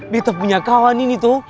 kita punya kawan ini tuh